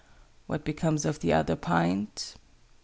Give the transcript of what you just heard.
What becomes of the other pint?